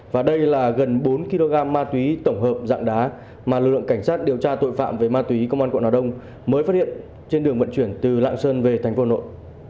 và đây là gần bốn kg ma túy tổng hợp dạng đá mà lực lượng cảnh sát điều tra tội phạm về ma túy công an quận hà đông mới phát hiện trên đường vận chuyển từ lạng sơn về thành phố hà nội